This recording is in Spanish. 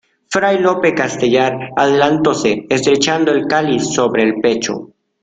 fray Lope Castellar adelantóse estrechando el cáliz sobre el pecho: